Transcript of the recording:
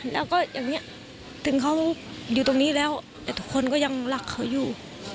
แล้วก็อย่างนี้ถึงเขาอยู่ตรงนี้แล้วแต่ทุกคนก็ยังรักเขาอยู่